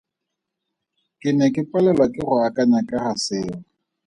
Ke ne ke palelwa ke go akanya ka ga seo.